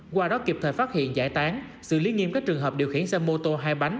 qua đó kịp thời phát hiện giải tán xử lý nghiêm các trường hợp điều khiển xe mô tô hai bánh